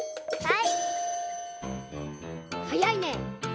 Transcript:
はい！